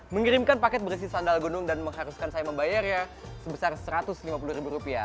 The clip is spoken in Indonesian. mengirimkan paket berisi sandal gunung dan mengharuskan saya membayarnya sebesar rp satu ratus lima puluh ribu rupiah